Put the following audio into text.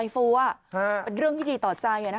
ฟูเป็นเรื่องที่ดีต่อใจ